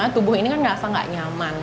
tubuh ini tidak akan nyaman